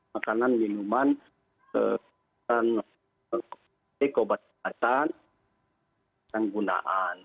makanan minuman ekobat perhatian penggunaan